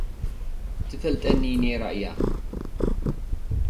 ትፈልጠኒ ነይራ እያ።